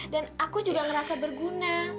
aku juga ngerasa berguna